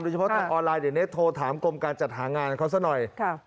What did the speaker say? เฉพาะทางออนไลน์เดี๋ยวนี้โทรถามกรมการจัดหางานเขาซะหน่อย